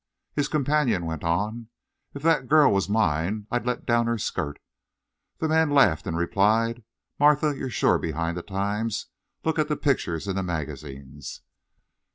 His companion went on: "If that girl was mine I'd let down her skirt." The man laughed and replied: "Martha, you're shore behind the times. Look at the pictures in the magazines."